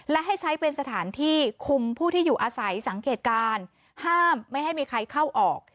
และให้ใช้เป็นสถานที่คุมผู้ที่อยู่อาศัยสังเกตการณ์ห้ามไม่ให้มีใครเข้าออก